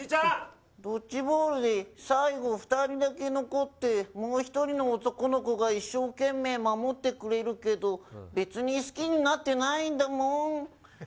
ドッジボールで最後２人だけ残ってもう１人の男の子が一生懸命、守ってくれるけど別に好きになってないんだもん。